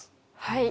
はい。